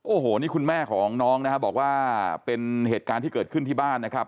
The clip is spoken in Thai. โอ้โหนี่คุณแม่ของน้องนะครับบอกว่าเป็นเหตุการณ์ที่เกิดขึ้นที่บ้านนะครับ